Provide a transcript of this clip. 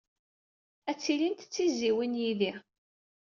Ad tilimt d tizzyiwin yid-i.